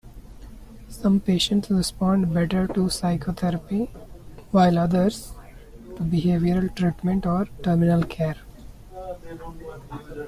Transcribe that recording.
Some patients respond better to psychotherapy, while others to behavioral treatment or terminal care.